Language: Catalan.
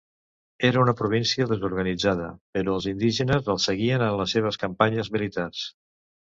Era una província desorganitzada, però els indígenes el seguien en les seves campanyes militars.